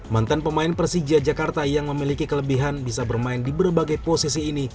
mantan pemain persija jakarta yang memiliki kelebihan bisa bermain di berbagai posisi ini